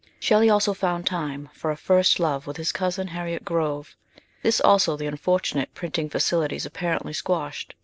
Shelley also found time for a first love with his cousin, Harriet Grove. This also the unfortunate printing facilities apparently quashed.